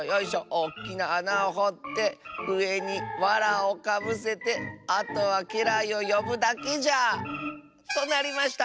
おっきなあなをほってうえにわらをかぶせてあとはけらいをよぶだけじゃ』となりました」。